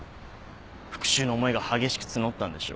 復讐の思いが激しく募ったんでしょう。